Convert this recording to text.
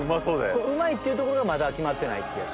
これ「うまい」っていう所がまだ決まってないっていうやつ？